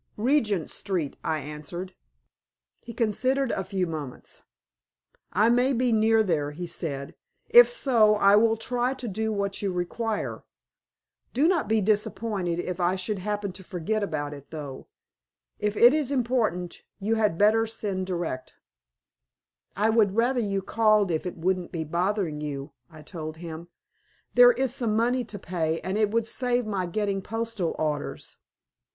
"Regent Street," I answered. He considered a few moments. "I may be near there," he said. "If so I will try to do what you require. Do not be disappointed if I should happen to forget about it, though. If it is important you had better send direct." "I would rather you called if it wouldn't be bothering you," I told him. "There is some money to pay, and it would save my getting postal orders."